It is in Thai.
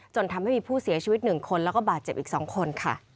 จนทำให้มีผู้เสียชีวิต๑คนแล้วก็บาดเจ็บอีก๒คนค่ะ